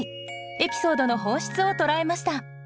エピソードの本質を捉えました